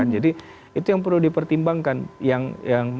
jadi itu yang perlu dipertimbangkan